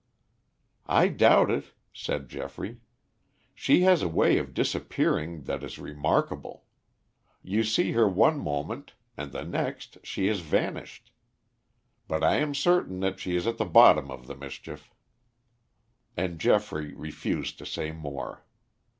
"I doubt it," said Geoffrey. "She has a way of disappearing that is remarkable. You see her one moment and the next she has vanished. But I am certain that she is at the bottom of the mischief." And Geoffrey refused to say more.